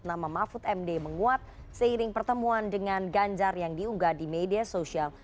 nama mahfud md menguat seiring pertemuan dengan ganjar yang diunggah di media sosial